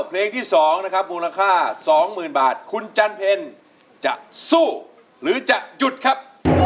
เพลงที่๒นะครับมูลค่า๒๐๐๐บาทคุณจันเพลจะสู้หรือจะหยุดครับ